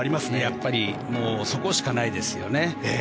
やっぱりそこしかないですよね。